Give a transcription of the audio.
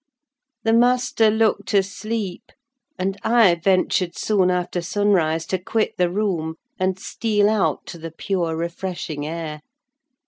The master looked asleep, and I ventured soon after sunrise to quit the room and steal out to the pure refreshing air.